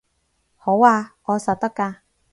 好吖，我實得㗎